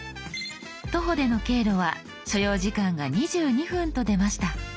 「徒歩」での経路は所要時間が２２分と出ました。